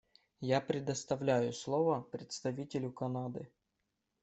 Я предоставляю слово представителю Канады.